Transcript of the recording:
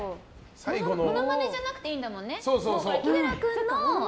モノマネじゃなくていいんだもんね。